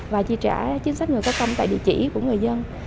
và chi trả chính sách người có công tại địa chỉ của người dân